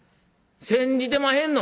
煎じてまへんの！？